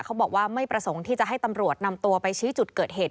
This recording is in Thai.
เขาบอกว่าไม่ประสงค์ที่จะให้ตำรวจนำตัวไปชี้จุดเกิดเหตุ